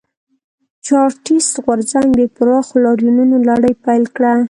چارټېست غورځنګ د پراخو لاریونونو لړۍ پیل کړه.